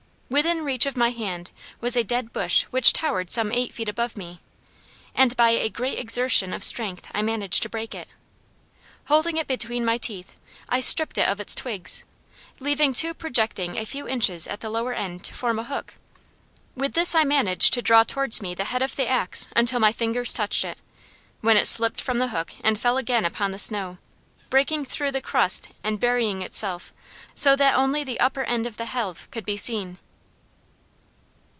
Within reach of my hand was a dead bush which towered some eight feet above me, and by a great exertion of strength I managed to break it. Holding it between my teeth I stripped it of its twigs, leaving two projecting a few inches at the lower end to form a hook. With this I managed to draw towards me the head of the axe until my fingers touched it, when it slipped from the hook and fell again upon the snow, breaking through the crust and burying itself so that only the upper end of the helve could be seen.